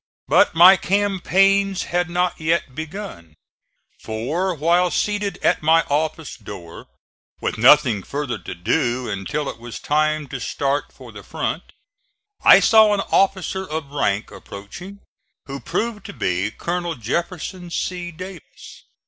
But my campaigns had not yet begun, for while seated at my office door, with nothing further to do until it was time to start for the front, I saw an officer of rank approaching, who proved to be Colonel Jefferson C. Davis.